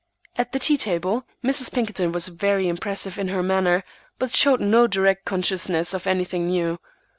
At the tea table Mrs. Pinkerton was very impressive in her manner, but showed no direct consciousness of anything new.